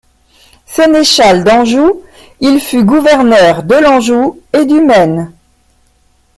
Sénéchal d'Anjou, il fut gouverneur de l'Anjou et du Maine.